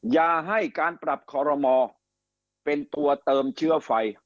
อย่าให้การปรับคอรมอเป็นตัวเติมเชื้อไฟ